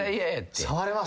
触れます？